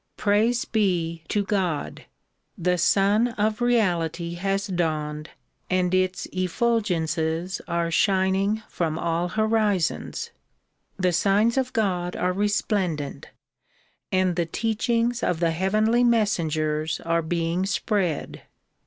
Praise be to God ! the Sun of Reality has dawned and its efful gences are shining from all horizons. The signs of God are resplendent and the teachings of the heavenly messengers are being spread.